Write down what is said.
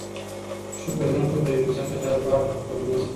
شکر نه قبلوي!! ځکه دا دواړه په خپل منځ کي